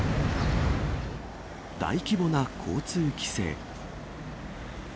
大規模な交通規制。